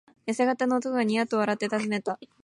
やせ型の男がニヤッと笑ってたずねた。